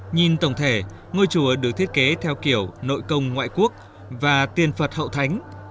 nhìn tổng thể ngôi chùa được thiết kế theo kiểu nội công ngoại quốc và tiền phật hậu thánh